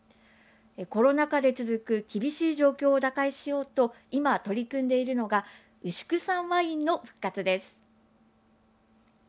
コロナ禍で続く厳しい状況を打開しようと今、取り組んでいるのが牛久産ワインの復活です。